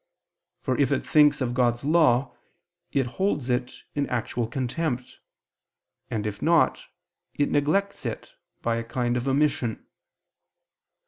For if it thinks of God's law, it holds it in actual contempt: and if not, it neglects it by a kind of omission.